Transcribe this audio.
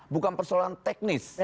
bukan persoalan teknis